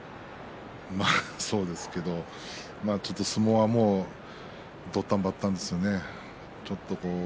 まあそうですけど相撲はどったんばったんですよね。